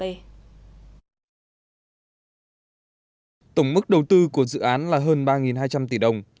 tổng mức đầu tư của dự án là hơn ba hai trăm linh tỷ đồng